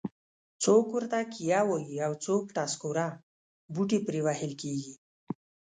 څوک ورته کیه وایي او څوک ټسکوره. بوټي پرې وهل کېږي.